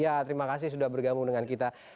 ya terima kasih sudah bergabung dengan kita